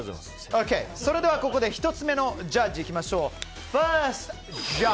それではここで１つ目のジャッジいきましょう。